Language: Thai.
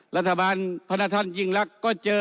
รัฐบาลพัฒนธรรมยิ่งรักก็เจอ